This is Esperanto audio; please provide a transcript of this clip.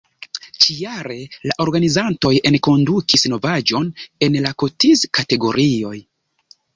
Ĉi-jare la organizantoj enkondukis novaĵon en la kotiz-kategorioj.